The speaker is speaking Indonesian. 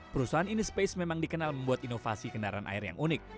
perusahaan ini space memang dikenal membuat inovasi kendaraan air yang unik